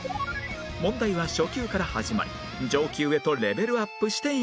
問題は初級から始まり上級へとレベルアップしていきます